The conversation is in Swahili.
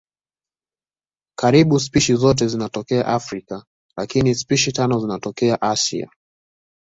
Karibu spishi zote zinatokea Afrika lakini spishi tano zinatokea Asia.